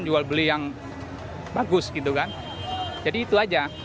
jual beli yang bagus gitu kan jadi itu aja